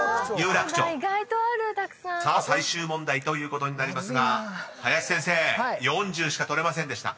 ［さあ最終問題ということになりますが林先生４０しか取れませんでした］